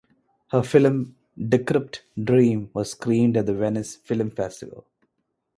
Her film "Decrepit Dream" was screened at the Venice Film Festival.